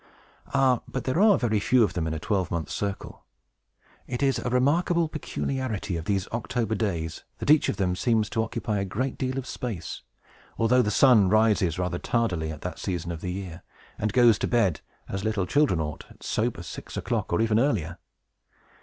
Ah, but there are very few of them in a twelvemonth's circle! It is a remarkable peculiarity of these October days, that each of them seems to occupy a great deal of space, although the sun rises rather tardily at that season of the year, and goes to bed, as little children ought, at sober six o'clock, or even earlier.